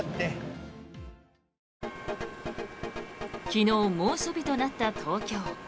昨日、猛暑日となった東京。